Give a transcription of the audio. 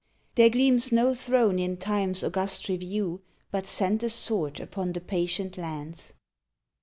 There gleams no throne in Time s august review But sent a sword upon the patient lands.